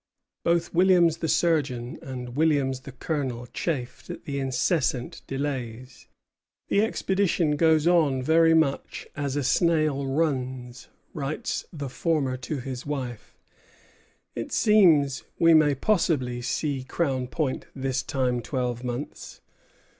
Both Williams the surgeon and Williams the colonel chafed at the incessant delays. "The expedition goes on very much as a snail runs," writes the former to his wife; "it seems we may possibly see Crown Point this time twelve months."